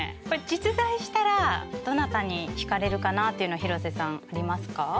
これ実在したらどなたに引かれるかなっていうの広瀬さんありますか？